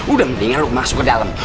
udah mendingan masuk ke dalam